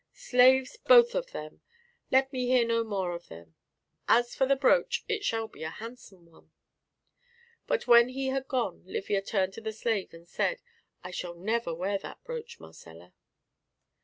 Slaves both of them! Let me hear no more of them. And as for the brooch, it shall be a handsome one." But when he had gone Livia turned to the slave and said, "I shall never wear that brooch, Marcella."